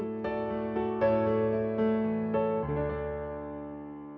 tuhan terima kasih atas kebahagiaan ini